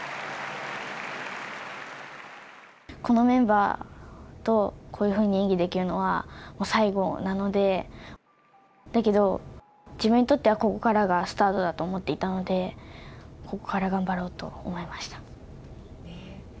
このメンバーと、こういうふうに演技できるのは最後なので、だけど、自分にとってはここからがスタートだと思っていたので、ここから頑張ろうと思いました。